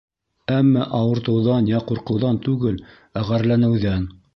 Әммә ауыртыуҙан йә ҡурҡыуҙан түгел, ә ғәрләнеүҙән.